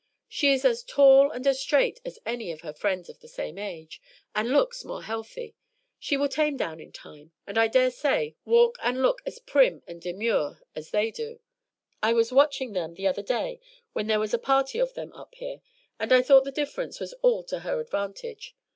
She is as tall and as straight as any of her friends of the same age, and looks more healthy; she will tame down in time, and I dare say walk and look as prim and demure as they do. I was watching them the other day when there was a party of them up here, and I thought the difference was all to her advantage.